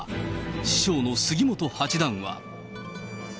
師匠の杉本八段は。